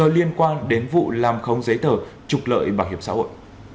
làm không dễ thở trục lợi bảo hiểm xã hội